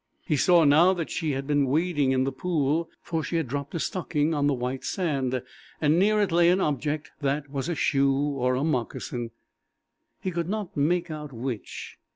He saw, now, that she had been wading in the pool, for she had dropped a stocking on the white sand, and near it lay an object that was a shoe or a moccasin, he could not make out which.